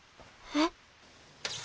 えっ？